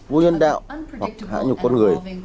vô nhân đạo hoặc hãi nhục con người